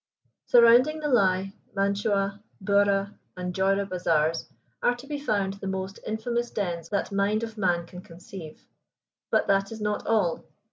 Surrounding the Lai, Machua, Burra, and Joira Bazaars are to be found the most infamous dens that mind of man can conceive. But that is not all.